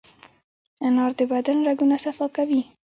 انار د بدن رګونه صفا کوي.